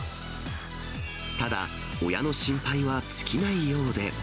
ただ親の心配は尽きないようで。